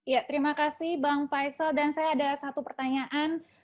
ya terima kasih bang faisal dan saya ada satu pertanyaan